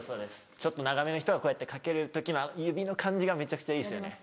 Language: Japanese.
ちょっと長めの人がこうやってかける時の指の感じがめちゃくちゃいいですよね。